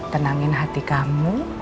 tenangin hati kamu